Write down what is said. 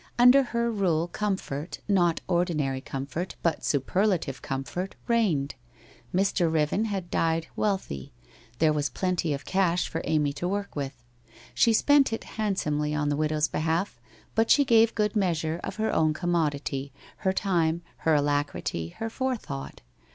Under her rule comfort, not ordinary comfort, but superlative comfort, reigned. Mr. Riven had died wealthy; there was plenty of cash for Amy to work with. She spent it handsomely on the widow's behalf, but she gave good measure of her own commodity, her time, her alacrity, her forethought.